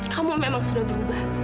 kamu memang sudah berubah